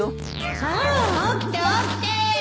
さあ起きて起きて！